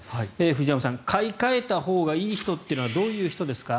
藤山さん、買い替えたほうがいい人というのはどういう人ですか。